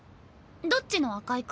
どっちの赤井君？